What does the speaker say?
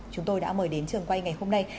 chúng tôi đã mời đến trường quay ngày hôm nay